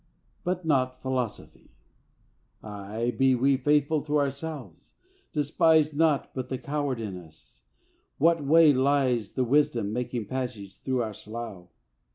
But not Philosophy! Ay, be we faithful to ourselves: despise Nought but the coward in us! That way lies The wisdom making passage through our slough.